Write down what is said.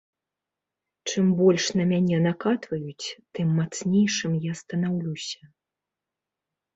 Чым больш на мяне накатваюць, тым мацнейшым я станаўлюся.